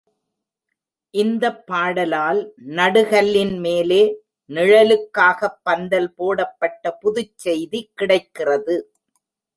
இந்தப் பாடலால், நடுகல்லின் மேலே நிழலுக்காகப் பந்தல் போடப்பட்ட புதுச்செய்தி கிடைக்கிறது.